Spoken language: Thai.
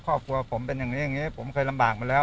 ครอบครัวผมเป็นอย่างนี้อย่างนี้ผมเคยลำบากมาแล้ว